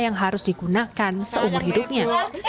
yang harus digunakan seumur hidupnya